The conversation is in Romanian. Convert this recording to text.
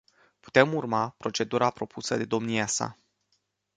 Putem urma procedura propusă de domnia sa.